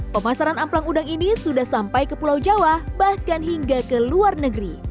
pemasaran amplang udang ini sudah sampai ke pulau jawa bahkan hingga ke luar negeri